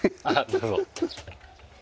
どうぞ。